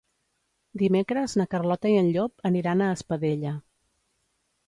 Dimecres na Carlota i en Llop aniran a Espadella.